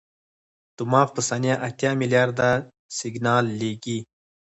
دماغ په ثانیه اتیا ملیارده سیګنال لېږي.